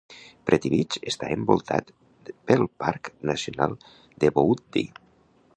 Pretty Beach està envoltat pel parc nacional de Bouddi.